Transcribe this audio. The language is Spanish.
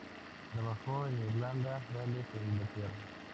Trabajó en Irlanda, Gales e Inglaterra.